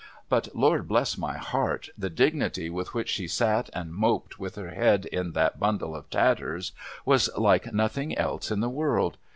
But, Lord bless my heart, the dignity with which she sat and moped, with her head in that bundle of tatters, was like nothing else in the world